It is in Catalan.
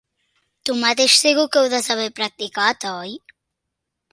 Tu mateix segur que ho deus haver practicat, oi?